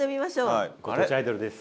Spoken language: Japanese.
ご当地アイドルです。